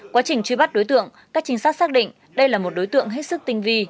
quá trình truy bắt đối tượng các trinh sát xác định đây là một đối tượng hết sức tinh vi